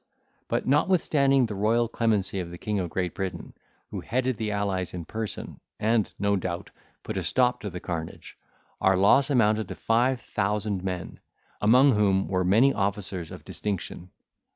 But, notwithstanding the royal clemency of the king of Great Britain, who headed the allies in person, and, no doubt, put a stop to the carnage, our loss amounted to five thousand men, among whom were many officers of distinction.